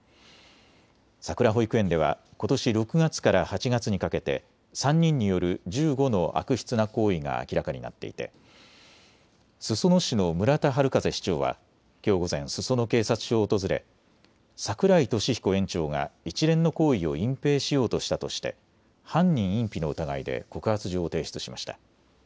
さくら保育園ではことし６月から８月にかけて３人による１５の悪質な行為が明らかになっていて裾野市の村田悠市長はきょう午前、裾野警察署を訪れ櫻井利彦園長が一連の行為を隠蔽しようとしたとして犯人隠避の疑いで告発状を提出しました。